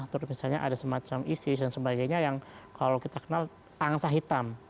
terus misalnya ada semacam isis dan sebagainya yang kalau kita kenal angsa hitam